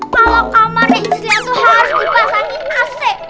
kalau kamarnya njus lia tuh harus dipasangin ac